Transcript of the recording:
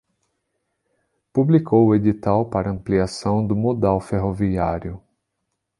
Publicou o edital para ampliação do modal ferroviário